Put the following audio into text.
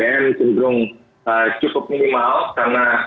ini cenderung ee cukup minimal